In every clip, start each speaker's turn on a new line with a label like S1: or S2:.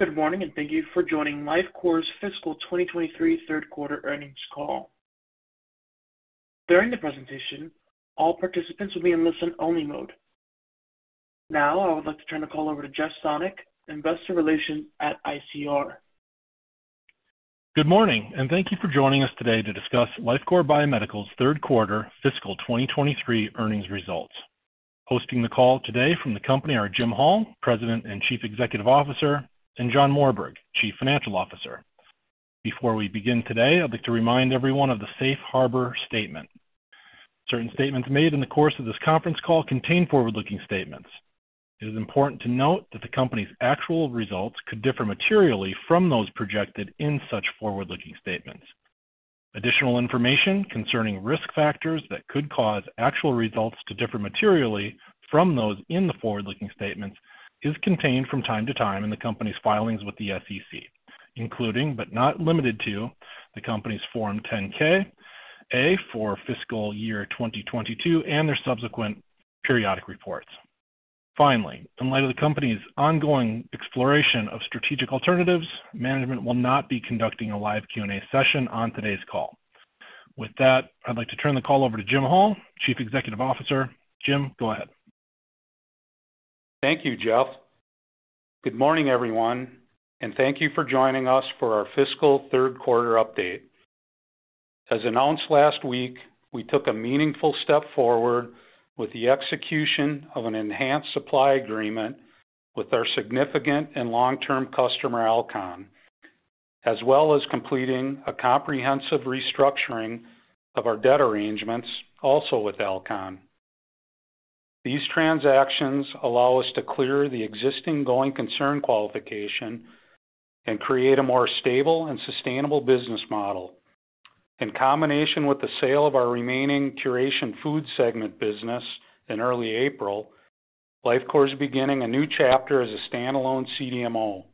S1: Good morning, and thank you for joining Lifecore's fiscal 2023 third quarter earnings call. During the presentation, all participants will be in listen-only mode. I would like to turn the call over to Jeff Sonnek, Investor Relations at ICR.
S2: Good morning, and thank you for joining us today to discuss Lifecore Biomedical's third quarter fiscal 2023 earnings results. Hosting the call today from the company are Jim Hall, President and Chief Executive Officer, and John Morberg, Chief Financial Officer. Before we begin today, I'd like to remind everyone of the Safe Harbor statement. Certain statements made in the course of this conference call contain forward-looking statements. It is important to note that the company's actual results could differ materially from those projected in such forward-looking statements. Additional information concerning risk factors that could cause actual results to differ materially from those in the forward-looking statements is contained from time to time in the company's filings with the SEC, including, but not limited to, the company's Form 10-K/A for fiscal year 2022 and their subsequent periodic reports. Finally, in light of the company's ongoing exploration of strategic alternatives, management will not be conducting a live Q&A session on today's call. With that, I'd like to turn the call over to Jim Hall, Chief Executive Officer. Jim, go ahead.
S3: Thank you, Jeff. Good morning, everyone, and thank you for joining us for our fiscal third quarter update. As announced last week, we took a meaningful step forward with the execution of an enhanced supply agreement with our significant and long-term customer, Alcon, as well as completing a comprehensive restructuring of our debt arrangements, also with Alcon. These transactions allow us to clear the existing going concern qualification and create a more stable and sustainable business model. In combination with the sale of our remaining Curation Foods segment business in early April, Lifecore is beginning a new chapter as a standalone CDMO.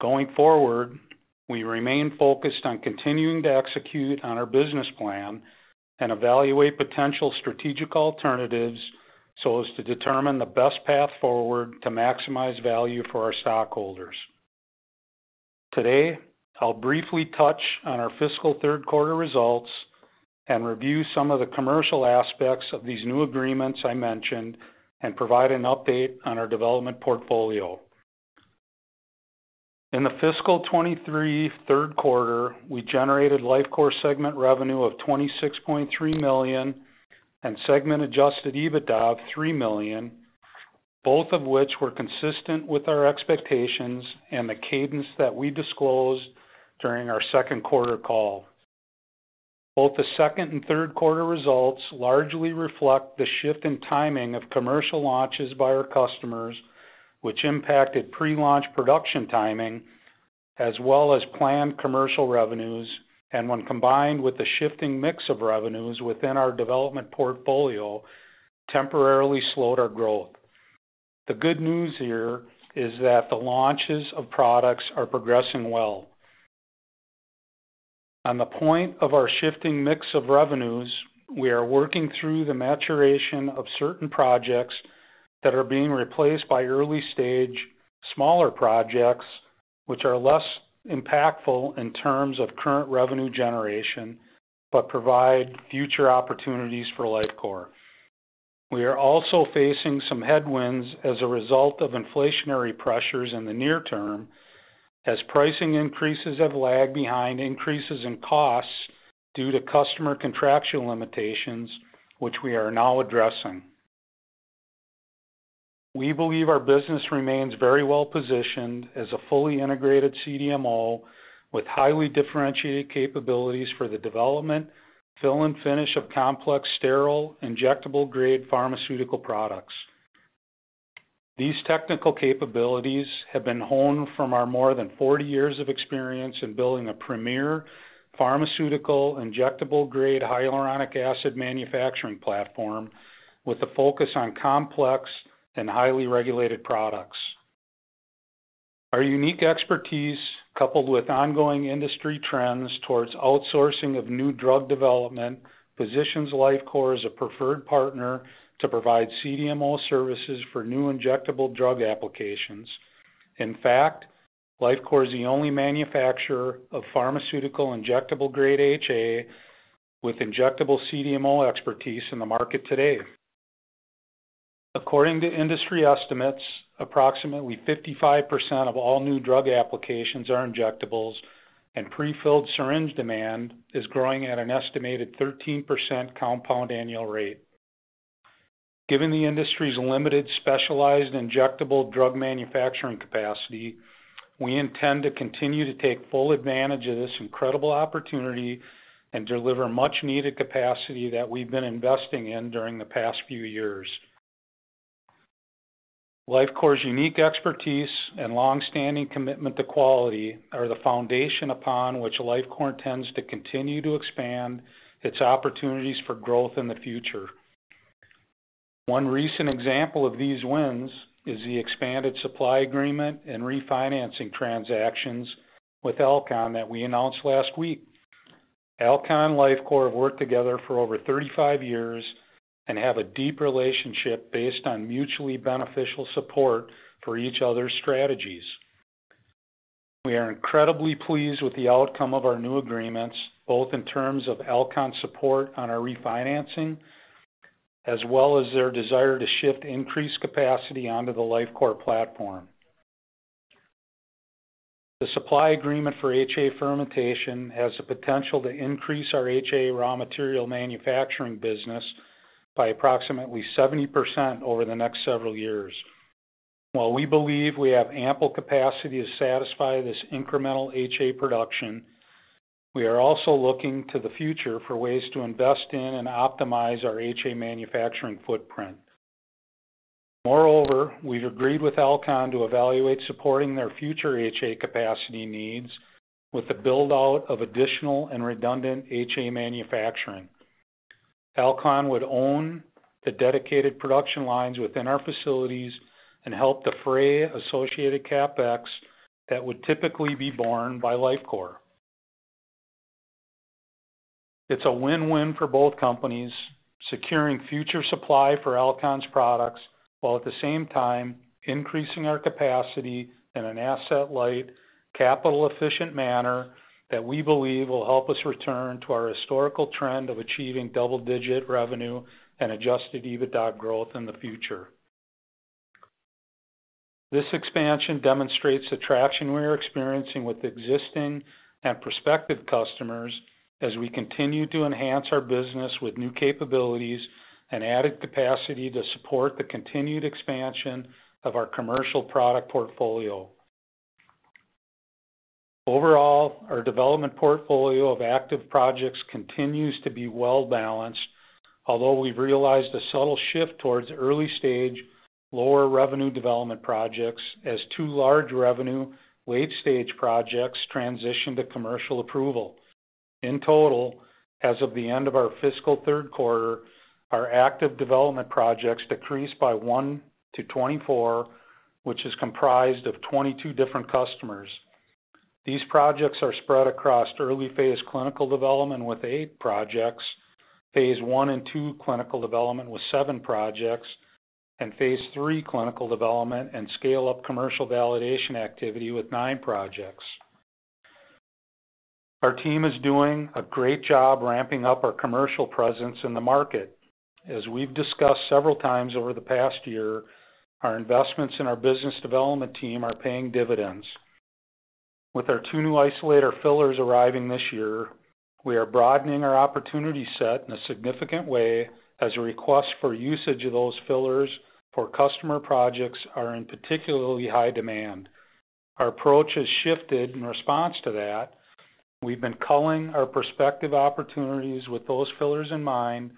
S3: Going forward, we remain focused on continuing to execute on our business plan and evaluate potential strategic alternatives so as to determine the best path forward to maximize value for our stockholders. Today, I'll briefly touch on our fiscal third quarter results and review some of the commercial aspects of these new agreements I mentioned and provide an update on our development portfolio. In the fiscal 2023 third quarter, we generated Lifecore segment revenue of $26.3 million and segment-adjusted EBITDA of $3 million, both of which were consistent with our expectations and the cadence that we disclosed during our second quarter call. Both the second and third quarter results largely reflect the shift in timing of commercial launches by our customers, which impacted pre-launch production timing as well as planned commercial revenues, and when combined with the shifting mix of revenues within our development portfolio, temporarily slowed our growth. The good news here is that the launches of products are progressing well. On the point of our shifting mix of revenues, we are working through the maturation of certain projects that are being replaced by early-stage, smaller projects, which are less impactful in terms of current revenue generation, but provide future opportunities for Lifecore. We are also facing some headwinds as a result of inflationary pressures in the near term, as pricing increases have lagged behind increases in costs due to customer contractual limitations, which we are now addressing. We believe our business remains very well-positioned as a fully integrated CDMO with highly differentiated capabilities for the development, fill, and finish of complex, sterile, injectable-grade pharmaceutical products. These technical capabilities have been honed from our more than 40 years of experience in building a premier pharmaceutical, injectable-grade hyaluronic acid manufacturing platform with a focus on complex and highly regulated products. Our unique expertise, coupled with ongoing industry trends towards outsourcing of new drug development, positions Lifecore as a preferred partner to provide CDMO services for new injectable drug applications. In fact, Lifecore is the only manufacturer of pharmaceutical, injectable-grade HA with injectable CDMO expertise in the market today. According to industry estimates, approximately 55% of all new drug applications are injectables, and prefilled syringe demand is growing at an estimated 13% compound annual rate. Given the industry's limited, specialized injectable drug manufacturing capacity, we intend to continue to take full advantage of this incredible opportunity and deliver much-needed capacity that we've been investing in during the past few years. Lifecore's unique expertise and long-standing commitment to quality are the foundation upon which Lifecore intends to continue to expand its opportunities for growth in the future. One recent example of these wins is the expanded supply agreement and refinancing transactions with Alcon that we announced last week. Alcon and Lifecore have worked together for over 35 years and have a deep relationship based on mutually beneficial support for each other's strategies. We are incredibly pleased with the outcome of our new agreements, both in terms of Alcon support on our refinancing, as well as their desire to shift increased capacity onto the Lifecore platform. The supply agreement for HA fermentation has the potential to increase our HA raw material manufacturing business by approximately 70% over the next several years. While we believe we have ample capacity to satisfy this incremental HA production, we are also looking to the future for ways to invest in and optimize our HA manufacturing footprint. We've agreed with Alcon to evaluate supporting their future HA capacity needs with the build-out of additional and redundant HA manufacturing. Alcon would own the dedicated production lines within our facilities and help defray associated CapEx that would typically be borne by Lifecore. It's a win-win for both companies, securing future supply for Alcon's products, while at the same time, increasing our capacity in an asset-light, capital-efficient manner that we believe will help us return to our historical trend of achieving double-digit revenue and adjusted EBITDA growth in the future. This expansion demonstrates the traction we are experiencing with existing and prospective customers as we continue to enhance our business with new capabilities and added capacity to support the continued expansion of our commercial product portfolio. Overall, our development portfolio of active projects continues to be well-balanced, although we've realized a subtle shift towards early-stage, lower-revenue development projects as two large revenue, late-stage projects transition to commercial approval. In total, as of the end of our fiscal third quarter, our active development projects decreased by one to 24, which is comprised of 22 different customers. These projects are spread across early phase clinical development with eight projects, phase one and two clinical development with seven projects, and phase three clinical development and scale-up commercial validation activity with nine projects. Our team is doing a great job ramping up our commercial presence in the market. As we've discussed several times over the past year, our investments in our business development team are paying dividends. With our 2 new isolator fillers arriving this year, we are broadening our opportunity set in a significant way as a request for usage of those fillers for customer projects are in particularly high demand. Our approach has shifted in response to that. We've been culling our prospective opportunities with those fillers in mind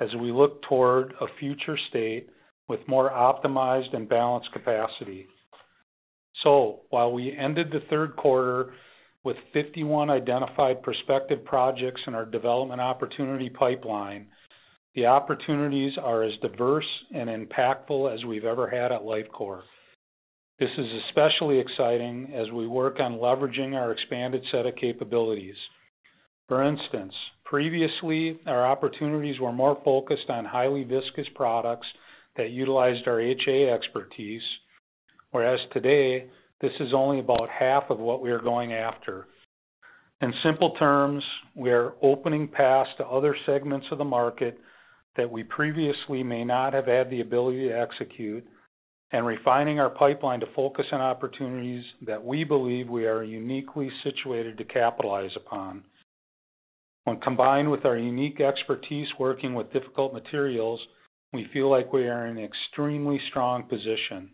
S3: as we look toward a future state with more optimized and balanced capacity. While we ended the third quarter with 51 identified prospective projects in our development opportunity pipeline, the opportunities are as diverse and impactful as we've ever had at Lifecore. This is especially exciting as we work on leveraging our expanded set of capabilities. For instance, previously, our opportunities were more focused on highly viscous products that utilized our HA expertise, whereas today, this is only about half of what we are going after. In simple terms, we are opening paths to other segments of the market that we previously may not have had the ability to execute and refining our pipeline to focus on opportunities that we believe we are uniquely situated to capitalize upon. When combined with our unique expertise working with difficult materials, we feel like we are in an extremely strong position.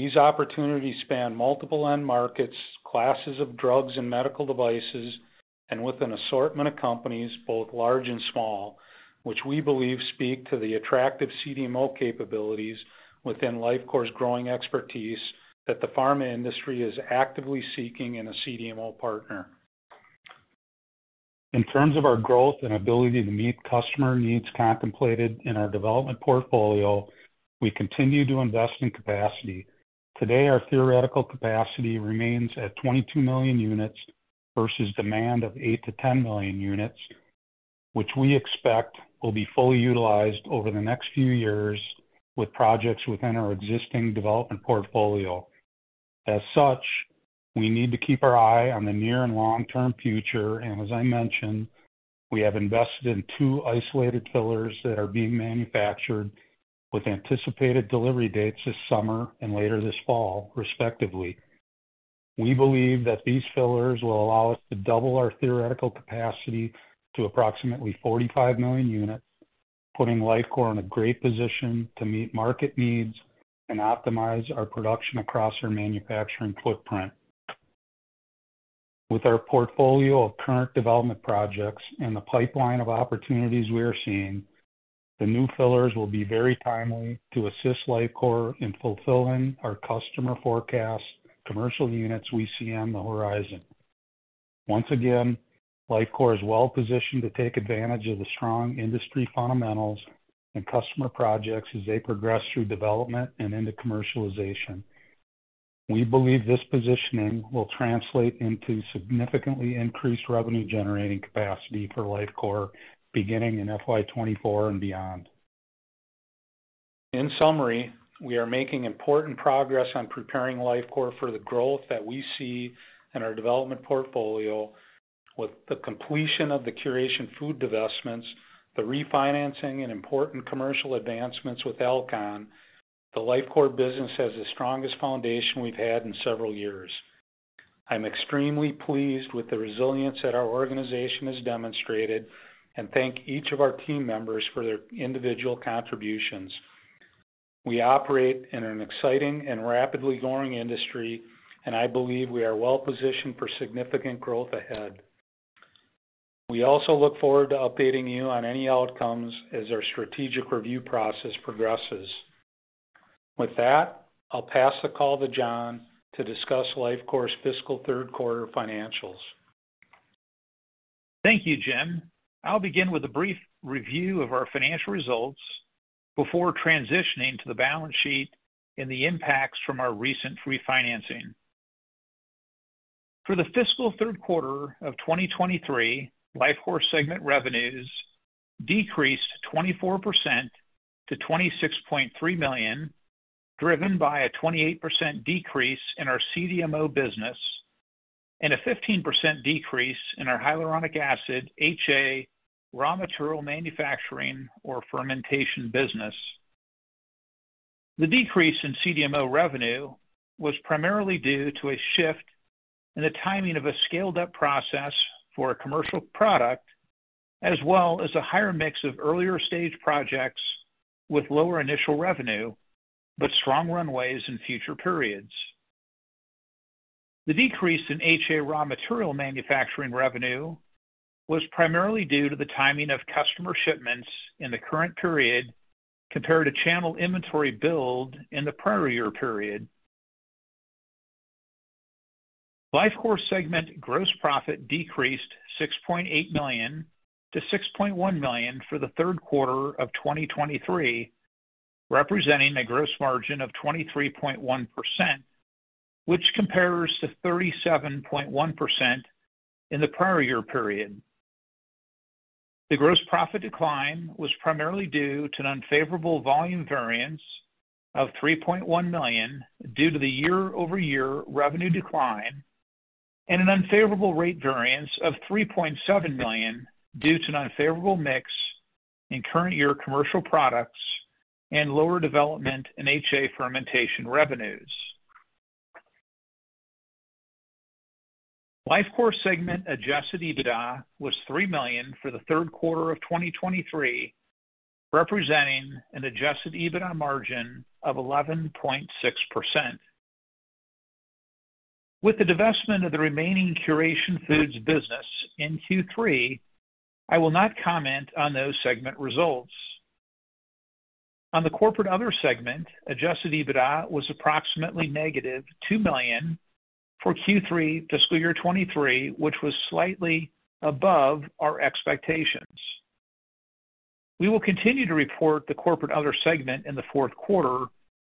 S3: These opportunities span multiple end markets, classes of drugs and medical devices, and with an assortment of companies, both large and small, which we believe speak to the attractive CDMO capabilities within Lifecore's growing expertise that the pharma industry is actively seeking in a CDMO partner. In terms of our growth and ability to meet customer needs contemplated in our development portfolio, we continue to invest in capacity. Today, our theoretical capacity remains at 22 million units versus demand of 8 million-10 million units, which we expect will be fully utilized over the next few years with projects within our existing development portfolio. As such, we need to keep our eye on the near and long-term future, as I mentioned, we have invested in two isolator fillers that are being manufactured with anticipated delivery dates this summer and later this fall, respectively. We believe that these fillers will allow us to double our theoretical capacity to approximately 45 million units, putting Lifecore in a great position to meet market needs and optimize our production across our manufacturing footprint. With our portfolio of current development projects and the pipeline of opportunities we are seeing, the new fillers will be very timely to assist Lifecore in fulfilling our customer forecast commercial units we see on the horizon. Once again, Lifecore is well positioned to take advantage of the strong industry fundamentals and customer projects as they progress through development and into commercialization. We believe this positioning will translate into significantly increased revenue-generating capacity for Lifecore beginning in FY 2024 and beyond. In summary, we are making important progress on preparing Lifecore for the growth that we see in our development portfolio. With the completion of the Curation Foods divestments, the refinancing and important commercial advancements with Alcon, the Lifecore business has the strongest foundation we've had in several years. I'm extremely pleased with the resilience that our organization has demonstrated, and thank each of our team members for their individual contributions. We operate in an exciting and rapidly growing industry, and I believe we are well-positioned for significant growth ahead. We also look forward to updating you on any outcomes as our strategic review process progresses. With that, I'll pass the call to John to discuss Lifecore's fiscal third quarter financials.
S4: Thank you, Jim. I'll begin with a brief review of our financial results before transitioning to the balance sheet and the impacts from our recent refinancing. For the fiscal third quarter of 2023, Lifecore segment revenues decreased 24% to $26.3 million, driven by a 28% decrease in our CDMO business and a 15% decrease in our hyaluronic acid, HA, raw material manufacturing or fermentation business. The decrease in CDMO revenue was primarily due to a shift in the timing of a scaled-up process for a commercial product, as well as a higher mix of earlier-stage projects with lower initial revenue, but strong runways in future periods. The decrease in HA raw material manufacturing revenue was primarily due to the timing of customer shipments in the current period compared to channel inventory build in the prior year period. Lifecore segment gross profit decreased $6.8 million to $6.1 million for the third quarter of 2023, representing a gross margin of 23.1%, which compares to 37.1% in the prior year period. The gross profit decline was primarily due to an unfavorable volume variance of $3.1 million due to the year-over-year revenue decline, and an unfavorable rate variance of $3.7 million due to an unfavorable mix in current year commercial products and lower development in HA fermentation revenues. Lifecore segment adjusted EBITDA was $3 million for the third quarter of 2023, representing an adjusted EBITDA margin of 11.6%. With the divestment of the remaining Curation Foods business in Q3, I will not comment on those segment results. On the corporate other segment, adjusted EBITDA was approximately -$2 million for Q3 fiscal year 2023, which was slightly above our expectations. We will continue to report the corporate other segment in the fourth quarter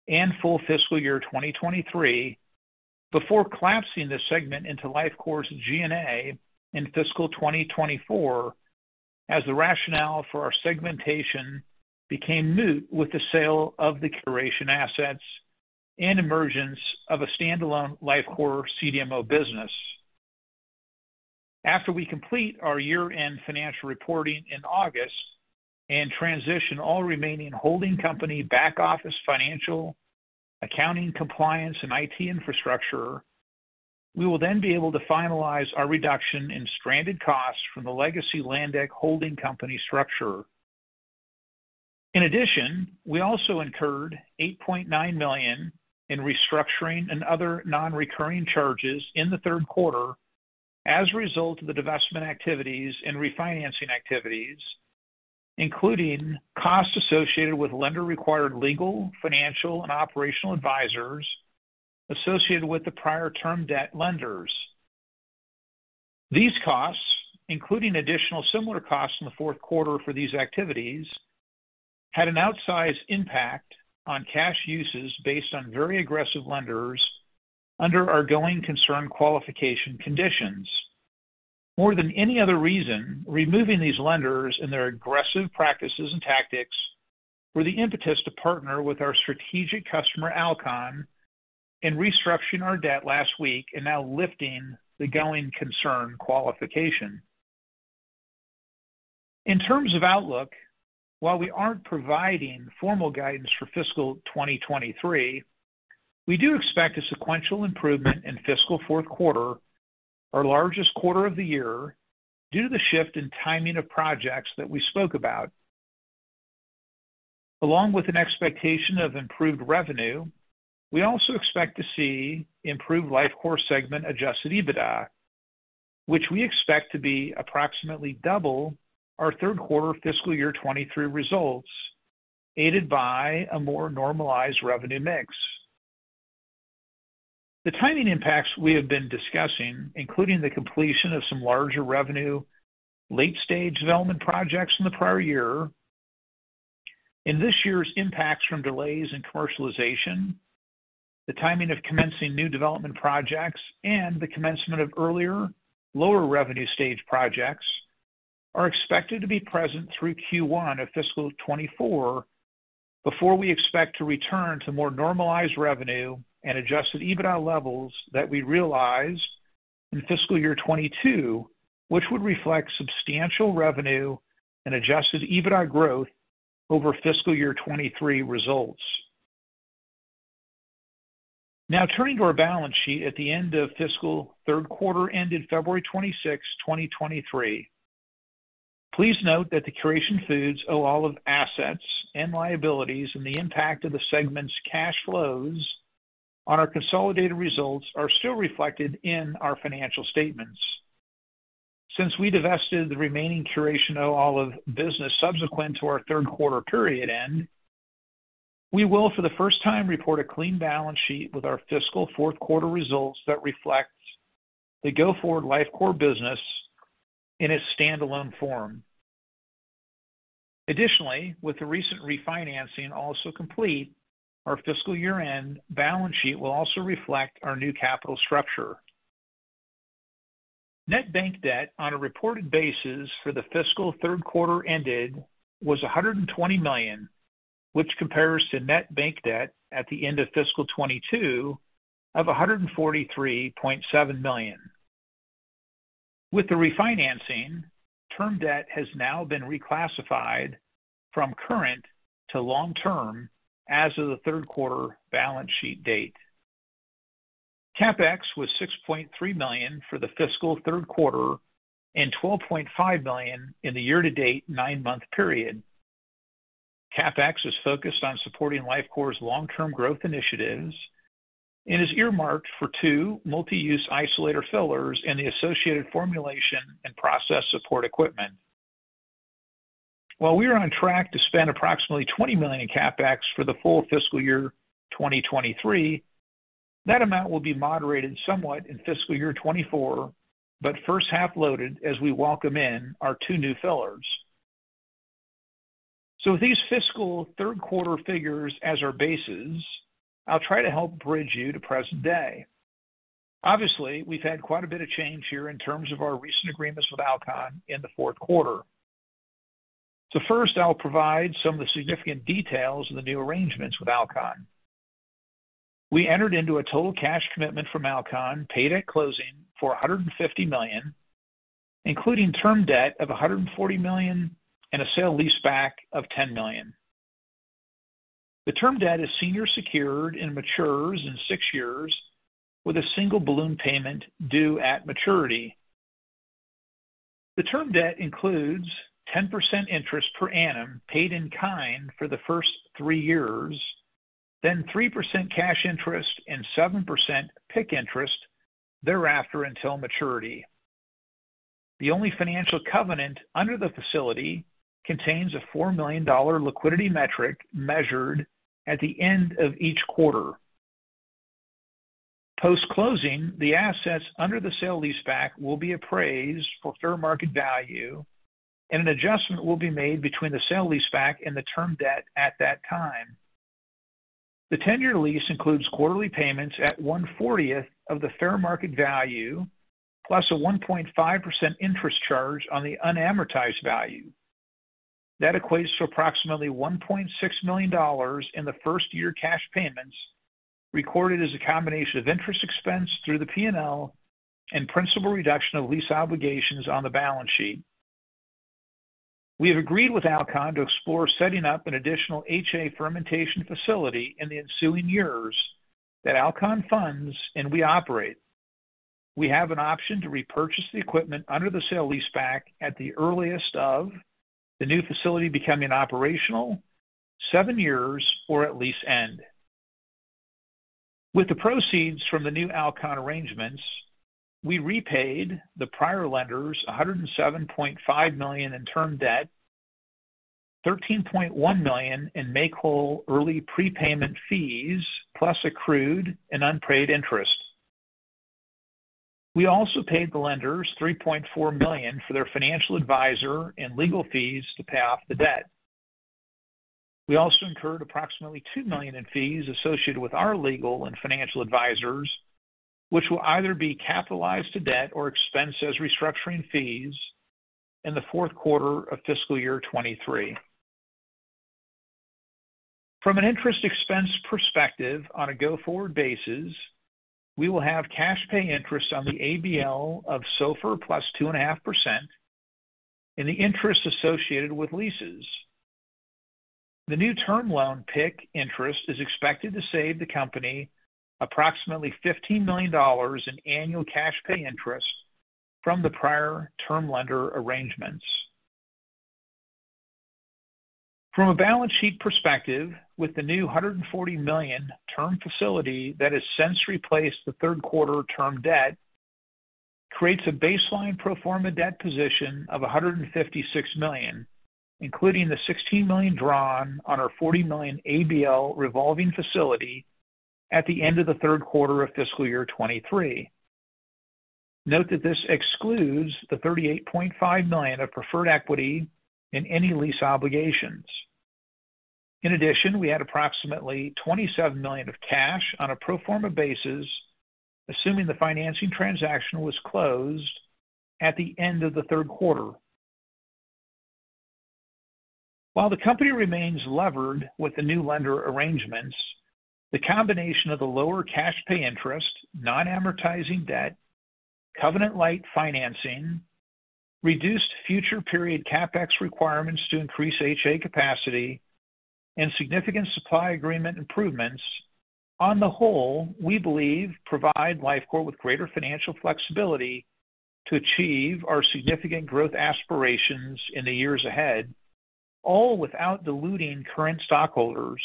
S4: and full fiscal year 2023 before collapsing this segment into Lifecore's G&A in fiscal 2024, as the rationale for our segmentation became moot with the sale of the Curation assets and emergence of a standalone Lifecore CDMO business. After we complete our year-end financial reporting in August and transition all remaining holding company back-office financial, accounting, compliance, and IT infrastructure, we will then be able to finalize our reduction in stranded costs from the legacy Landec holding company structure. In addition, we also incurred $8.9 million in restructuring and other non-recurring charges in the third quarter as a result of the divestment activities and refinancing activities, including costs associated with lender-required legal, financial, and operational advisors associated with the prior term debt lenders. These costs, including additional similar costs in the fourth quarter for these activities, had an outsized impact on cash uses based on very aggressive lenders under our going concern qualification conditions. More than any other reason, removing these lenders and their aggressive practices and tactics were the impetus to partner with our strategic customer, Alcon, in restructuring our debt last week and now lifting the going concern qualification. In terms of outlook, while we aren't providing formal guidance for fiscal 2023, we do expect a sequential improvement in fiscal fourth quarter, our largest quarter of the year, due to the shift in timing of projects that we spoke about. We also expect to see improved Lifecore segment adjusted EBITDA, which we expect to be approximately double our third quarter fiscal year 2023 results, aided by a more normalized revenue mix. The timing impacts we have been discussing, including the completion of some larger revenue, late-stage development projects in the prior year-... In this year's impacts from delays in commercialization, the timing of commencing new development projects and the commencement of earlier lower revenue stage projects are expected to be present through Q1 of fiscal 2024, before we expect to return to more normalized revenue and adjusted EBITDA levels that we realized in fiscal year 2022, which would reflect substantial revenue and adjusted EBITDA growth over fiscal year 2023 results. Turning to our balance sheet at the end of fiscal 3rd quarter, ended February 26, 2023. Please note that the Curation Foods owe all of assets and liabilities, and the impact of the segment's cash flows on our consolidated results are still reflected in our financial statements. Since we divested the remaining Curation olive business subsequent to our third quarter period end, we will, for the first time, report a clean balance sheet with our fiscal fourth quarter results that reflects the go-forward Lifecore business in its standalone form. With the recent refinancing also complete, our fiscal year-end balance sheet will also reflect our new capital structure. Net bank debt on a reported basis for the fiscal third quarter ended was $120 million, which compares to net bank debt at the end of fiscal 2022 of $143.7 million. With the refinancing, term debt has now been reclassified from current to long-term as of the third quarter balance sheet date. CapEx was $6.3 million for the fiscal third quarter and $12.5 million in the year-to-date nine-month period. CapEx is focused on supporting Lifecore's long-term growth initiatives and is earmarked for 2 multi-use isolator fillers and the associated formulation and process support equipment. While we are on track to spend approximately $20 million in CapEx for the full fiscal year 2023, that amount will be moderated somewhat in fiscal year 2024, but first half loaded as we welcome in our 2 new fillers. With these fiscal third quarter figures as our bases, I'll try to help bridge you to present day. Obviously, we've had quite a bit of change here in terms of our recent agreements with Alcon in the fourth quarter. First, I'll provide some of the significant details of the new arrangements with Alcon. We entered into a total cash commitment from Alcon, paid at closing for $150 million, including term debt of $140 million and a sale-leaseback of $10 million. The term debt is senior secured and matures in 6 years with a single balloon payment due at maturity. The term debt includes 10% interest per annum, paid in kind for the first 3 years, then 3% cash interest and 7% PIK interest thereafter until maturity. The only financial covenant under the facility contains a $4 million liquidity metric measured at the end of each quarter. Post-closing, the assets under the sale-leaseback will be appraised for fair market value, and an adjustment will be made between the sale-leaseback and the term debt at that time. The 10-year lease includes quarterly payments at 1/40th of the fair market value, plus a 1.5% interest charge on the unamortized value. That equates to approximately $1.6 million in the first-year cash payments, recorded as a combination of interest expense through the P&L and principal reduction of lease obligations on the balance sheet. We have agreed with Alcon to explore setting up an additional HA fermentation facility in the ensuing years that Alcon funds and we operate. We have an option to repurchase the equipment under the sale-leaseback at the earliest of the new facility becoming operational 7 years or at lease end. With the proceeds from the new Alcon arrangements, we repaid the prior lenders $107.5 million in term debt, $13.1 million in make-whole early prepayment fees, plus accrued and unpaid interest. We also paid the lenders $3.4 million for their financial advisor and legal fees to pay off the debt. We also incurred approximately $2 million in fees associated with our legal and financial advisors, which will either be capitalized to debt or expensed as restructuring fees in the fourth quarter of fiscal year 2023. From an interest expense perspective, on a go-forward basis, we will have cash pay interest on the ABL of SOFR plus 2.5% and the interest associated with leases. The new term loan PIK interest is expected to save the company approximately $15 million in annual cash pay interest from the prior term lender arrangements. From a balance sheet perspective, with the new $140 million term facility that has since replaced the third quarter term debt, creates a baseline pro forma debt position of $156 million, including the $16 million drawn on our $40 million ABL revolving facility at the end of the third quarter of fiscal year 2023. Note that this excludes the $38.5 million of preferred equity and any lease obligations. We had approximately $27 million of cash on a pro forma basis, assuming the financing transaction was closed at the end of the third quarter. While the company remains levered with the new lender arrangements, the combination of the lower cash pay interest, non-amortizing debt, covenant light financing, reduced future period CapEx requirements to increase HA capacity, and significant supply agreement improvements, on the whole, we believe provide Lifecore with greater financial flexibility to achieve our significant growth aspirations in the years ahead, all without diluting current stockholders.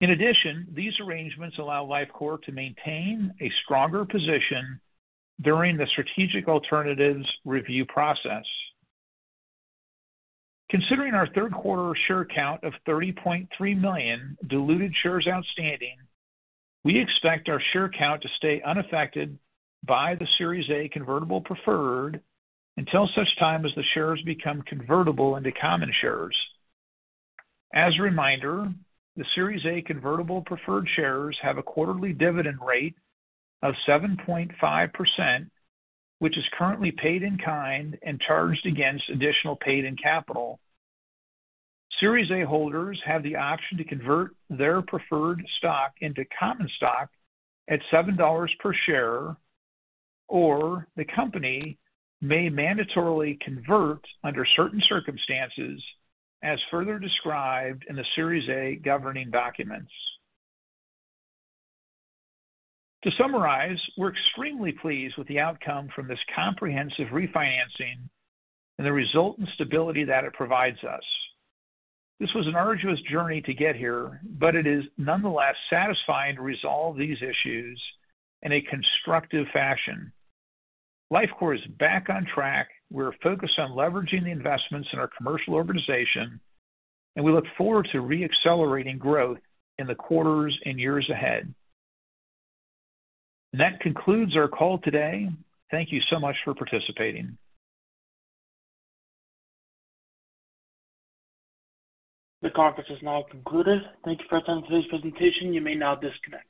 S4: In addition, these arrangements allow Lifecore to maintain a stronger position during the strategic alternatives review process. Considering our third quarter share count of 30.3 million diluted shares outstanding, we expect our share count to stay unaffected by the Series A convertible preferred until such time as the shares become convertible into common shares. As a reminder, the Series A convertible preferred shares have a quarterly dividend rate of 7.5%, which is currently paid in kind and charged against additional paid in capital. Series A holders have the option to convert their preferred stock into common stock at $7 per share, or the company may mandatorily convert under certain circumstances, as further described in the Series A governing documents. To summarize, we're extremely pleased with the outcome from this comprehensive refinancing and the resultant stability that it provides us. This was an arduous journey to get here, but it is nonetheless satisfying to resolve these issues in a constructive fashion. Lifecore is back on track. We're focused on leveraging the investments in our commercial organization, and we look forward to re-accelerating growth in the quarters and years ahead. That concludes our call today. Thank you so much for participating.
S1: The conference is now concluded. Thank you for attending today's presentation. You may now disconnect.